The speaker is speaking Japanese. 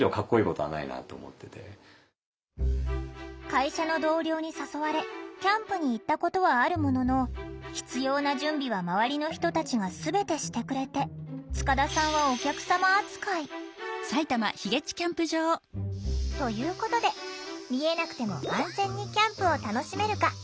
会社の同僚に誘われキャンプに行ったことはあるものの必要な準備は周りの人たちが全てしてくれて塚田さんはということで見えなくても安全にキャンプを楽しめるか検証！